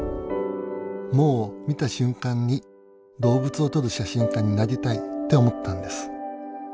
もう見た瞬間に動物を撮る写真家になりたいって思ったんです。